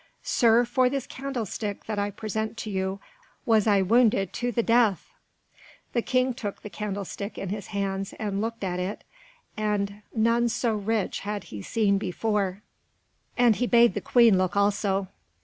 "Sir, for this candlestick that I present to you was I wounded to the death!" The King took the candlestick in his hands and looked at it, and none so rich had he seen before, and he bade the Queen look also.